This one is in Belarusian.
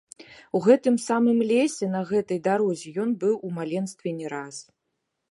У гэтым самым лесе, на гэтай дарозе ён быў у маленстве не раз.